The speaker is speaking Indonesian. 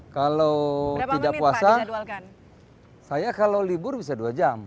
kalau tidak puasa saya kalau libur bisa dua jam